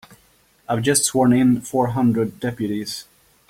I've just sworn in four hundred deputies.